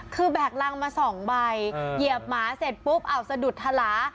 คือแบกรังมา๒ใบเหยียบหมาเสร็จปุ๊บเอาสะดุดทะลา